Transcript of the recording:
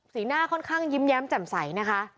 หน้าค่อนข้างยิ้มแย้มแจ่มใสนะคะ